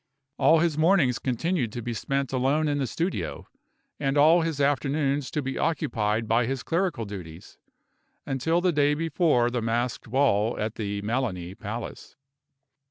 All his mornings continued to be spent alone in the studio, and all his afternoons to be occupied by his clerical duties, until the day before the masked ball at the Melani Palace.